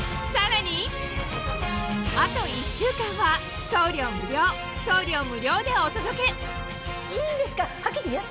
あと１週間は送料無料送料無料でお届けいいんですか？